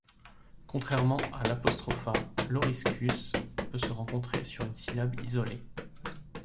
Contrairement à l’apostropha, l’oriscus peut se rencontrer sur une syllabe isolée.